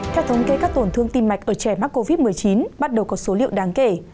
theo thống kê các tổn thương tim mạch ở trẻ mắc covid một mươi chín bắt đầu có số liệu đáng kể